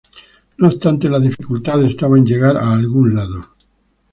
No obstante la dificultad estaba en llegar a algún lado.